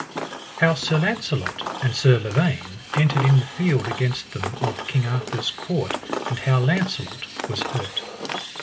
How Sir Launcelot and Sir Lavaine entered in the field against them of King Arthur's court, and how Launcelot was hurt.